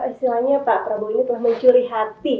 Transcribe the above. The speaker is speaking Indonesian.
istilahnya pak prabowo ini telah mencuri hati